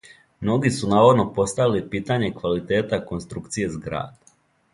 Многи су наводно поставили питање квалитета конструкције зграде.